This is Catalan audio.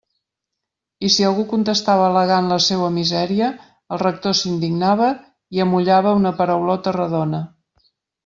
I si algú contestava al·legant la seua misèria, el rector s'indignava i amollava una paraulota redona.